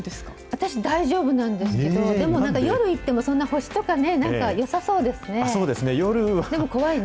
私、大丈夫なんですけど、でもなんか夜行っても、そんな星とかね、なんか、よさそうですね。